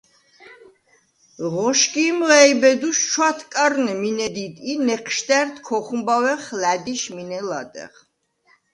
ღოშგიმ ვა̈იბედუშვ ჩვათკარვნე მინე დიდ ი ნეჴშდა̈რდ ქოხუმბავეხ ლა̈დიშ მინე ლადეღ.